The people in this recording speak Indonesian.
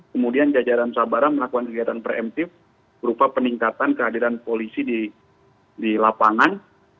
kemudian jajaran sabara melakukan kegiatan preemptif berupa peningkatan kehadiran polisi di lapangan